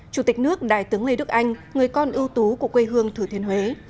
chủ tịch nước đại tướng lê đức anh người con ưu tú của quê hương thừa thiên huế